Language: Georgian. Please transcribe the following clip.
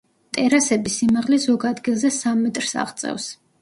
ტერასების სიმაღლე ზოგ ადგილზე სამ მეტრს აღწევს.